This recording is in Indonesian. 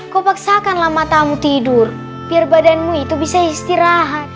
kau paksakanlah matamu tidur biar badanmu itu bisa istirahat